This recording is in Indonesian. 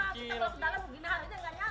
semua kita kalau ke dalam mungkin nyalah nyala